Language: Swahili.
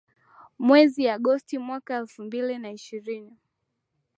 mwezi agosti mwaka elfu mbili na ishirini